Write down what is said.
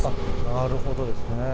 なるほどですね。